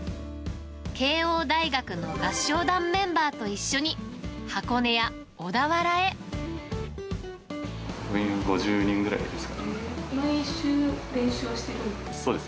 慶応大学の合唱団メンバーと一緒に、部員５０人ぐらいですかね。